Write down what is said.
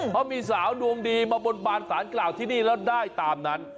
เพราะมีสาวดวงดีมาบนบานสารกล่าวที่นี่แล้วได้ตามนั้น